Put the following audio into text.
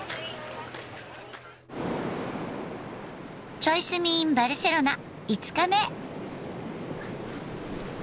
「チョイ住みｉｎバルセロナ」５日目。